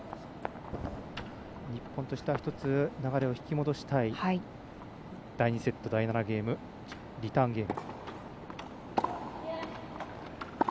日本としては１つ流れを引き戻したい第２セット第７ゲームリターンゲーム。